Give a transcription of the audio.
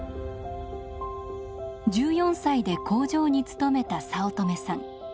１４歳で工場に勤めた早乙女さん。